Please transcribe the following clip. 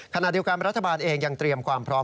ขณะเดียวกันรัฐบาลเองยังเตรียมความพร้อม